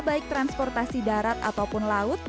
baik transportasi darat ataupun laut